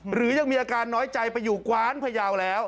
หรือยังมีอาการน้อยใจไปอยู่กว้านพยาวแล้ว